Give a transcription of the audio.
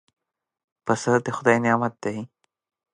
پسه د خدای نعمت دی.